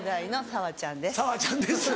砂羽ちゃんです。